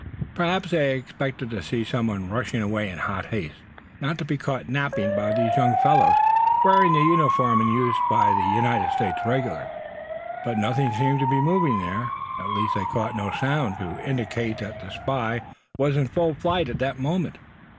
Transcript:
Perhaps they expected to see some one rushing away in hot haste, so as not to be caught napping by these young fellows wearing the uniform in use by United States regulars. But nothing seemed to be moving there; at least they caught no sound to indicate that the spy was in full flight at that moment.